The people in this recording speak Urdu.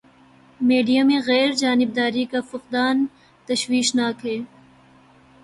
میڈیا میں غیر جانبداری کا فقدان تشویش ناک ہے۔